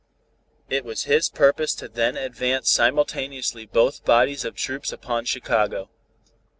It was his purpose then to advance simultaneously both bodies of troops upon Chicago.